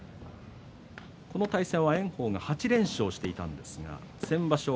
この対戦は炎鵬が８連勝していたんですが先場所